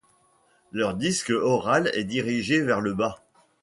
Leur disque oral est dirigé vers le bas.